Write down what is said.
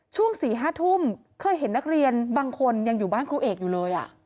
ช่วง๔๕ทุ่มเคยเห็นนักเรียนบางคนยังอยู่บ้านครูเอกอยู่เลย